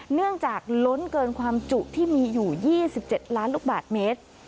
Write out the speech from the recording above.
เนื่องจากล้นเกินความจุที่มีอยู่๒๗ล้านลูกบาทเมตร